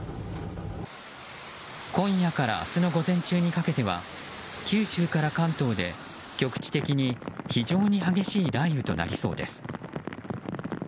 今夜から明日の午前中にかけては九州から関東で局地的に非常に激しい雷雨となりそうです。